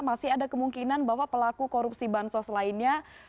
masih ada kemungkinan bahwa pelaku korupsi bansos lainnya